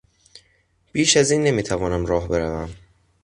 بیش از این نمیتوانم راه بروم.